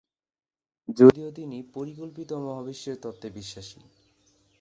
যদিও তিনি পরিকল্পিত মহাবিশ্বের তত্ত্বে বিশ্বাসী